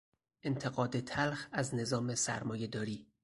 انتقاد تلخ از نظام سرمایهداری